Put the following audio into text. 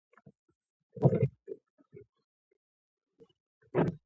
زه موړ یم